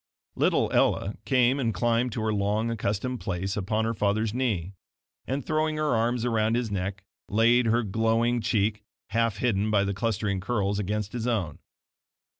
Little Ella came and climbed to her long accustomed place upon her father's knee, and throwing her arms around his neck, laid her glowing cheek, half hidden by the clustering curls, against his own.